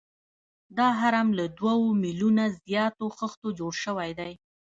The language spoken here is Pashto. دا هرم له دوه میلیونه زیاتو خښتو جوړ شوی دی.